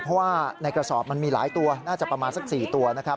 เพราะว่าในกระสอบมันมีหลายตัวน่าจะประมาณสัก๔ตัวนะครับ